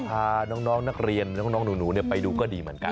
พาน้องนักเรียนน้องหนูไปดูก็ดีเหมือนกัน